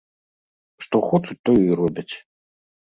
Што хочуць, тое і робяць.